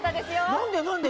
何で何で？